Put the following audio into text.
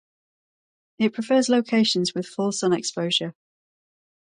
It prefers locations with full sun exposure.